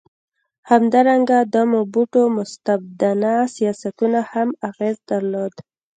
همدارنګه د موبوټو مستبدانه سیاستونو هم اغېز درلود.